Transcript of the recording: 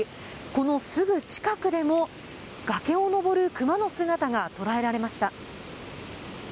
このすぐ近くでも崖を登るクマの姿が捉えられました。